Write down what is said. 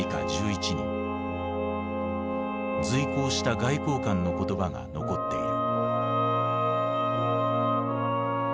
随行した外交官の言葉が残っている。